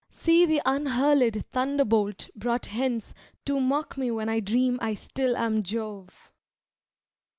See the unhurlèd thunderbolt brought hence To mock me when I dream I still am Jove!"